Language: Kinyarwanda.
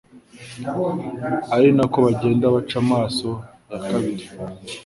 ari nako bagenda baca amaso ya kabiri.